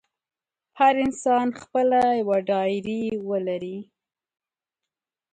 هر انسان خپله یوه ډایري ولري.